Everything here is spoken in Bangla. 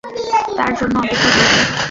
তার জন্য অপেক্ষা করব?